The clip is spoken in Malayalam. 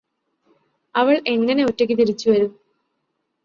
അവൾ എങ്ങനെ ഒറ്റക്ക് തിരിച്ചു വരും